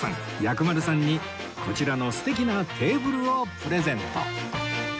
薬丸さんにこちらの素敵なテーブルをプレゼント